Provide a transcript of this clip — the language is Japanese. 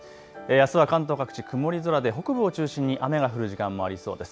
あすは関東各地、曇り空で北部を中心に雨が降る時間もありそうです。